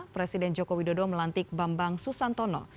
presiden joko widodo melantik bambang susantono